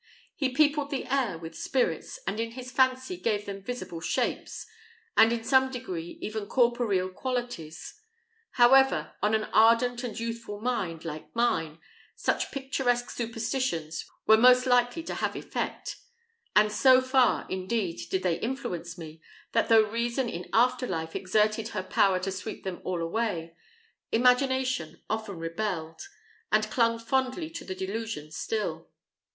He peopled the air with spirits, and in his fancy gave them visible shapes, and in some degree even corporeal qualities. However, on an ardent and youthful mind like mine, such picturesque superstitions were most likely to have effect; and so far, indeed, did they influence me, that though reason in after life exerted her power to sweep them all away, imagination often rebelled, and clung fondly to the delusion still.